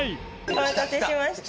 お待たせしました。